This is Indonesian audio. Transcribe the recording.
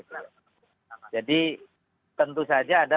jadi tentu saja ada pengurus yang berpikir ya